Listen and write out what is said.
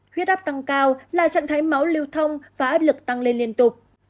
huyết áp tăng cao là trạng thái máu lưu thông và áp lực tăng lên liên tục